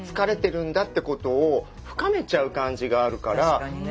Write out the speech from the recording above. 確かにね。